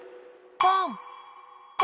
ポン！